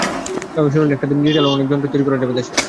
এভাবে শুরুটা হলে একদিন ডিজিটাল অনেক যন্ত্রই তৈরি করা যাবে দেশে।